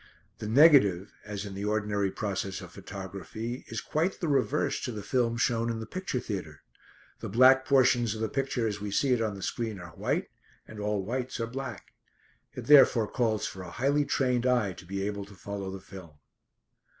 The negative, as in the ordinary process of photography, is quite the reverse to the film shown in the picture theatre. The black portions of the picture as we see it on the screen are white, and all whites are black. It therefore calls for a highly trained eye to be able to follow the film.